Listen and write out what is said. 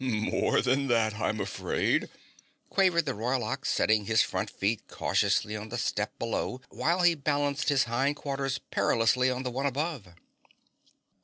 "More than that, I'm afraid," quavered the Royal Ox, setting his front feet cautiously on the step below while he balanced his hind quarters perilously on the one above.